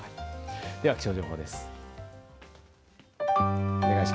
では気象情報です。